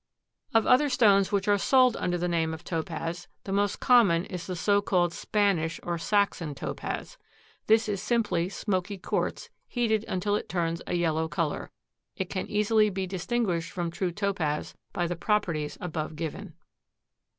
Of other stones which are sold under the name of Topaz the most common is the so called Spanish or Saxon topaz. This is simply smoky quartz heated until it turns a yellow color. It can easily be distinguished from true Topaz by the properties above given.